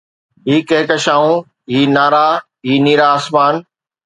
هي ڪهڪشائون، هي تارا، هي نيرا آسمان